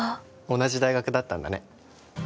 同じ大学だったんだね